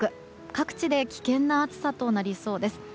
各地で危険な暑さとなりそうです。